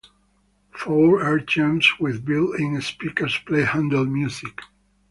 Four armchairs with built-in speakers play Handel's music.